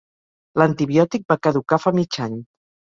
L'antibiòtic va caducar fa mig any.